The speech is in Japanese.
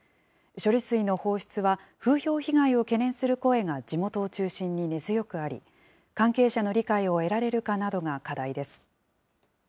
処理水の放出は、風評被害を懸念する声が地元を中心に根強くあり、関係者の理解を得られるかなどが課題です。